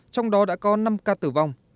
trong đó đã có năm ca tử vong